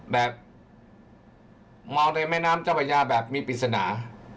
แบบเมาในแม่น้ำเจ้าพระยาแบบมีปริศนา